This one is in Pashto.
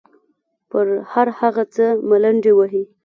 پر هر هغه څه ملنډې وهي.